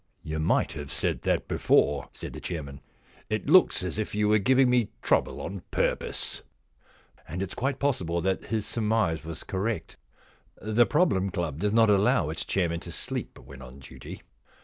* You might have said that before,' said the chairman. * It looks as if you were giving me trouble on purpose.' And it is quite possible that his surmise was correct. The Problem Club does not allow its chairman to sleep when on duty.